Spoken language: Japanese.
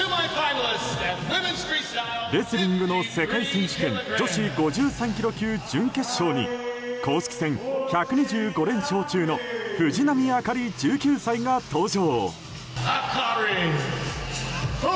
レスリングの世界選手権女子５３ｋｇ級準決勝に公式戦１２５連勝中の藤波朱理、１９歳が登場。